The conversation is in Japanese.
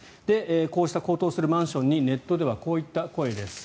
こうした高騰するマンションにネットではこういった声です。